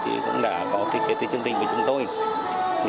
thì cũng đã có ký kết cái chương trình của chúng tôi